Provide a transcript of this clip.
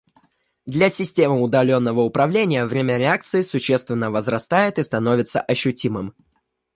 Для системы удаленного управления время реакции существенно возрастает и становится ощутимым